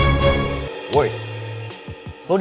itu dulu yang aku kena